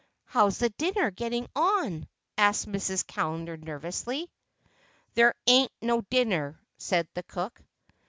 "How is the dinner getting on?" asked Mrs. Callender nervously. "There ain't no dinner," said the cook.